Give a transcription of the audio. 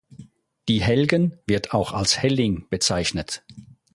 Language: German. Die Helgen wird auch als Helling bezeichnet.